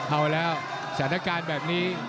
เอาแล้วสถานการณ์แบบนี้